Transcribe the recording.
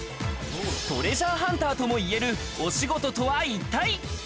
トレジャーハンターとも言えるお仕事とは一体？